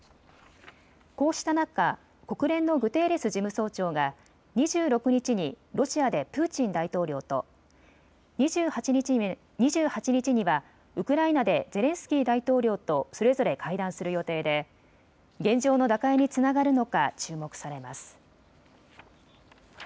こうした中、国連のグテーレス事務総長が２６日にロシアでプーチン大統領と、２８日にはウクライナでゼレンスキー大統領とそれぞれ会談する予定で現状の打開につながるのか注目されます。